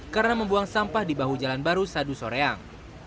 karena membuang sampah di bahu jalan baru sadu soreang